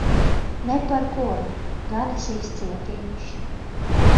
Ne par ko! Gan es izcietīšu.